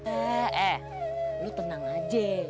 eh eh lu tenang aja